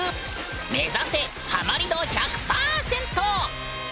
目指せハマり度１００％！